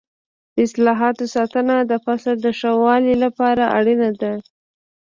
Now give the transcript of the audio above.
د حاصلاتو ساتنه د فصل د ښه والي لپاره اړینه ده.